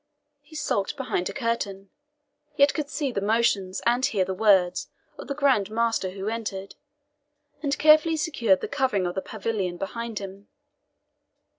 He skulked behind a curtain, yet could see the motions, and hear the words, of the Grand Master, who entered, and carefully secured the covering of the pavilion behind him.